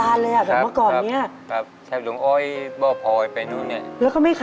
ไอ้ทิมตัดเสียบไม้